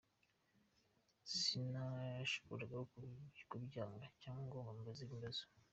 Sinashoboraga kubyanga cyangwa ngo mbaze ibibazo.